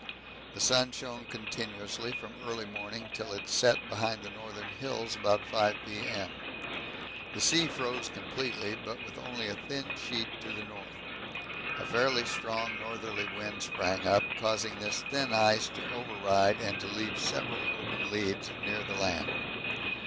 The sun shone continuously from early morning till it set behind the northern hills about 5 P.M. The sea froze completely, but with only a thin sheet to the north. A fairly strong northerly wind sprang up, causing this thin ice to override and to leave several open leads near the land.